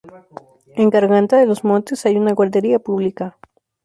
En Garganta de los Montes hay una guardería pública.